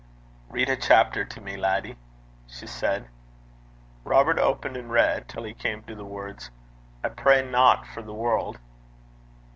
'Read a chapter till me, laddie,' she said. Robert opened and read till he came to the words: 'I pray not for the world.'